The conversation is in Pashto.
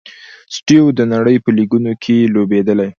سټیو و د نړۍ په لیګونو کښي لوبېدلی.